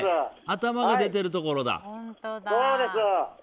頭が出てるところだ。